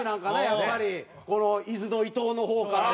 やっぱりこの伊豆の伊東の方から。